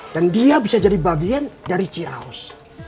dan dia bisa jadi bagian dari ciraos